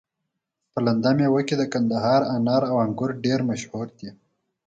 په لنده ميوه کي د کندهار انار او انګور ډير مشهور دي